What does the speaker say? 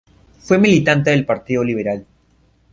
Fue militante del Partido Liberal.